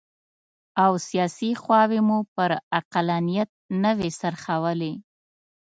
او سیاسي خواوې مو پر عقلانیت نه وي څرخولي.